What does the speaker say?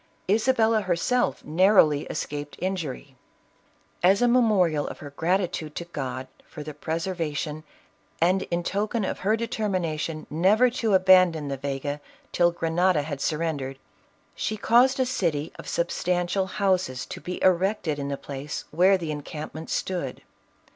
Isabella herself narrowly escaped injury. As a memorial of her gratitude to God for the preservation, and in token of her determination never to abandon the Vega till Grenada had surrendered, she caused a city of substan tial houses to be erected iu the place where the en campment stood.